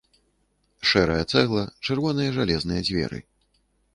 Шэрая цэгла, чырвоныя жалезныя дзверы.